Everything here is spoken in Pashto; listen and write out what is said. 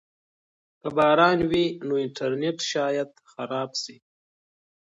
که باران وي نو انټرنیټ شاید خراب شي.